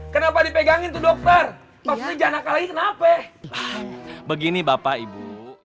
kenapa dipegangin dokter maksudnya nakal ini kenapa begini bapak ibu